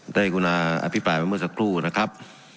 ได้กรุณาอภิปรายไปเมื่อสักครู่นะครับ